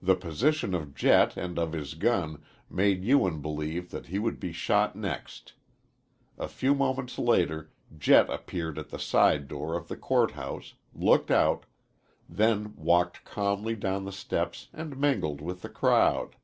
The position of Jett and of his gun made Ewen believe that he would be shot next. A few moments later Jett appeared at the side door of the court house, looked out, then walked calmly down the steps and mingled with the crowd.